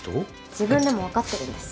自分でもわかってるんです。